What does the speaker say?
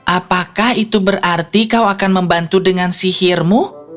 apakah itu berarti kau akan membantu dengan sihirmu